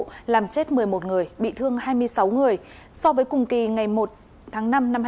giảm chết một mươi một người bị thương hai mươi sáu người so với cùng kỳ ngày một tháng năm năm hai nghìn hai mươi một